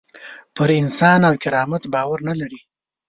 پر انسان او کرامت باور نه لري.